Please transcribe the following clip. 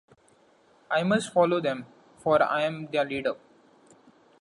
I must follow them, for I am their leader.